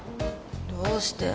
どうして？